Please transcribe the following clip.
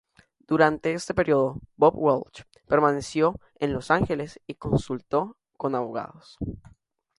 Durante este periodo Bob Welch permaneció en Los Ángeles y consultó con abogados.